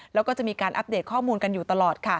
แล้วก็จะมีการอัปเดตข้อมูลกันอยู่ตลอดค่ะ